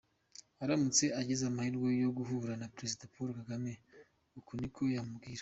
Aramutse agize amahirwe yo guhura na Perezida Paul Kagame uku niko yamubwira.